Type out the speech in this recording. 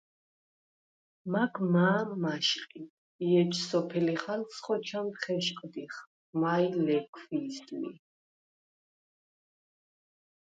მაგ მა̄ მაშყიდ ი ეჯ სოფლი ხალხს ხოჩამდ ხეშყდიხ, მაჲ ლე̄ქვი̄ს ლი.